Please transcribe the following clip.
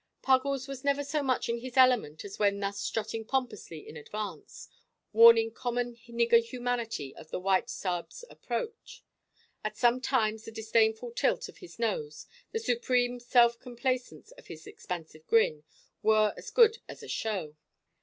Puggles was never so much in his element as when thus strutting pompously in advance, warning common nigger humanity of the white sahibs' approach. At such times the disdainful tilt of his nose, the supreme self complaisance of his expansive grin, were as good as a show.